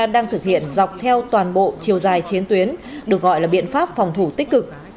đang thực hiện dọc theo toàn bộ chiều dài chiến tuyến được gọi là biện pháp phòng thủ tích cực